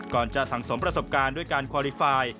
จะสังสมประสบการณ์ด้วยการคอลิไฟล์